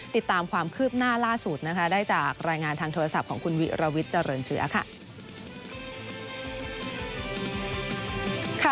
ติดตามความคืบหน้าล่าสุดนะคะได้จากรายงานทางโทรศัพท์ของคุณวิรวิทย์เจริญเชื้อค่ะ